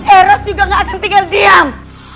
eros juga nggak akan tinggal diam